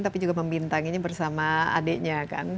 tapi juga membintanginya bersama adiknya kan